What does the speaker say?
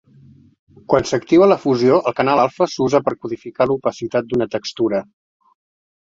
Quan s'activa la fusió, el canal alfa s'usa per codificar l'opacitat d'una textura.